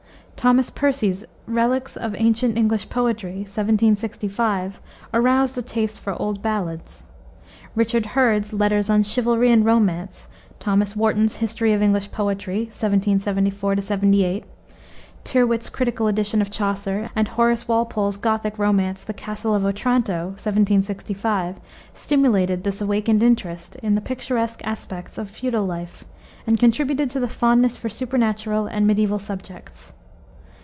Thomas Percy's Reliques of Ancient English Poetry, 1765, aroused a taste for old ballads. Richard Hurd's Letters on Chivalry and Romance, Thomas Warton's History of English Poetry, 1774 78, Tyrwhitt's critical edition of Chaucer, and Horace Walpole's Gothic romance, the Castle of Otranto, 1765, stimulated this awakened interest in the picturesque aspects of feudal life, and contributed to the fondness for supernatural and mediaeval subjects.